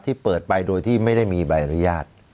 ที่เปิดไปโดยที่ไม่ได้มีใบอนุญาต